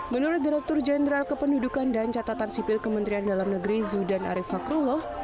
menurut direktur jenderal kependudukan dan catatan sipil kementerian dalam negeri zudan arief fakrullah